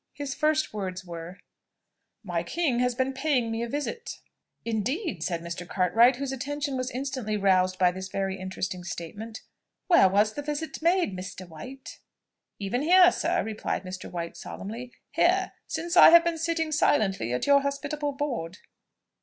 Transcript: His first words were, "My king has been paying me a visit." "Indeed!" said Mr. Cartwright, whose attention was instantly roused by this very interesting statement; "where was the visit made, Mr. White?" "Even here, sir," replied Mr. White solemnly: "here, since I have been sitting silently at your hospitable board."